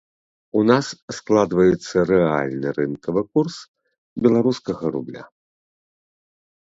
У нас складваецца рэальны рынкавы курс беларускага рубля.